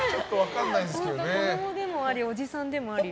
子供でもありおじさんでもあり。